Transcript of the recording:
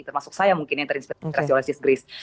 termasuk saya mungkin yang terinspirasi oleh sis grace